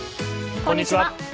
こんにちは。